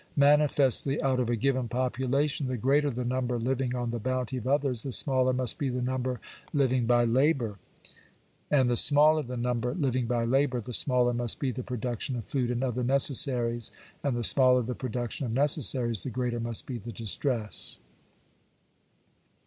Manifestly, out of a given population, the greater the number living on the bounty of others, the smaller must be the number living by labour ; and the smaller the number living by labour, the smaller must be the production of food and other necessaries; and the smaller the production of neces saries, the greater must be the distress.